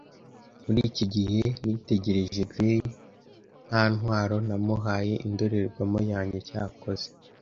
Muri icyo gihe, nitegereje Grey nta ntwaro, namuhaye indorerwamo yanjye. Cyakoze